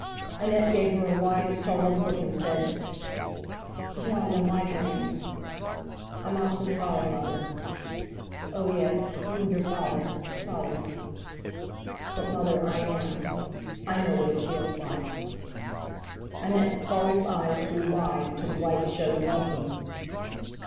Annette gave her a wide startled look, and said: "J'ai la migraine." "I'm awfully sorry, Mother." "Oh, yes! you and your father—sorry!" "But, Mother—I am. I know what it feels like." Annette's startled eyes grew wide, till the whites showed above them.